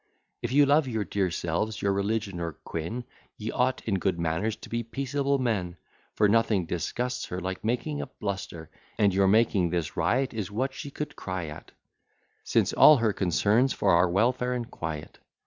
If you love your dear selves, your religion or queen, Ye ought in good manners to be peaceable men: For nothing disgusts her Like making a bluster: And your making this riot, Is what she could cry at, Since all her concern's for our welfare and quiet.